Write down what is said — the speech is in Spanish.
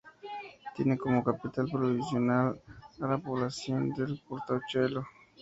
Tiene como capital provincial a la población de Portachuelo.